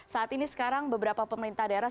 saat ini sekarang beberapa pemerintah daerah